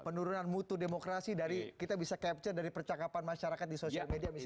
penurunan mutu demokrasi dari kita bisa capture dari percakapan masyarakat di sosial media misalnya